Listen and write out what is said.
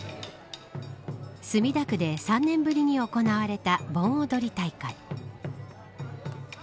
墨田区で３年ぶりに行われた盆踊り大会。